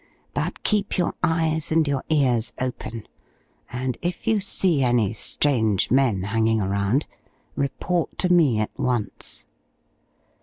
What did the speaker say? But keep your eyes and your ears open, and if you see any strange men hanging around, report to me at once."